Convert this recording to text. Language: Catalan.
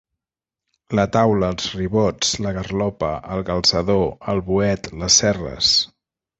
La taula els ribots la garlopa el galzador el boet les serres.